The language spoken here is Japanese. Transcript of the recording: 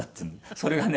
「それがね